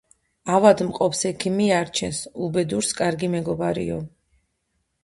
ავადმყოფს ექიმი არჩენს, უბედურს ─ კარგი მეგობარიო